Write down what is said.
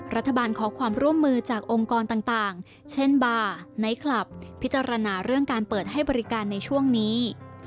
รัฐบาลขอความร่วมมือจากองค์กรต่างเช่นบาร์ไนท์คลับพิจารณาเรื่องการเปิดให้บริการในช่วงนี้